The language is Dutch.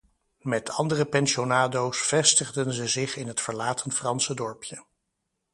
Met andere pensionado's vestigden ze zich in het verlaten Franse dorpje.